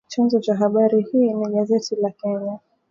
Chanzo cha habari hii ni gazeti la Kenya